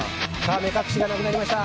目隠しがなくなりました。